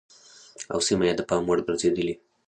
او سيمه يې د پام وړ ګرځېدلې